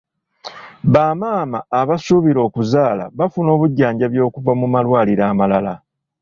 Bamaama abasuubira okuzaala bafuna obujjanjabi okuva mu malwaliro amalala.